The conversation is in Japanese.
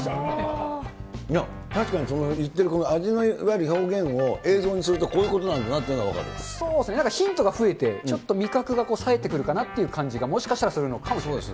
いや、確かに言ってること、味のいわゆる表現を映像にすると、こういうことなんだなというのがそうですね、ヒントが増えて、ちょっと味覚がさえてくるかなっていう感じが、もしかしたらするのかもしれません。